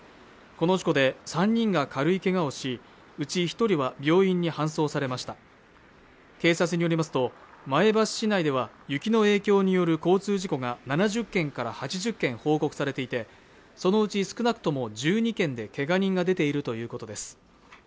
この事故で３人が軽いけがをしうち一人は病院に搬送されました警察によりますと前橋市内では雪の影響による交通事故が７０件から８０件報告されていてそのうち少なくとも１２件でけが人が出ているということです